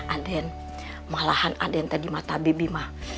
aden malahan aden tadi mata bibi mah